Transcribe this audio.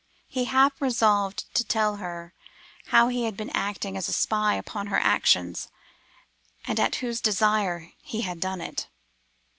He half resolved to tell her how he had been acting as a spy upon her actions, and at whose desire he had done it.